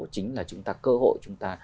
chính là chúng ta cơ hội chúng ta